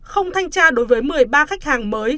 không thanh tra đối với một mươi ba khách hàng mới